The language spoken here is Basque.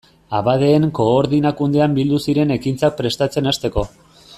Abadeen Koordinakundean bildu ziren ekintzak prestatzen hasteko.